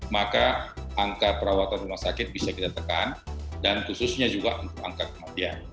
maka angka perawatan rumah sakit bisa kita tekan dan khususnya juga untuk angka kematian